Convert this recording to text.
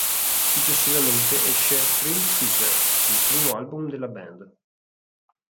Successivamente esce "Thrill Seeker", il primo album della band.